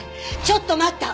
「ちょっと待った！